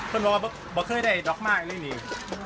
คุณบอกว่าเขาไม่เคยได้ดอกม่าอันนี้